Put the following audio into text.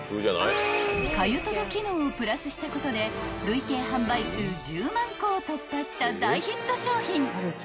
［かゆ届機能をプラスしたことで累計販売数１０万個を突破した大ヒット商品］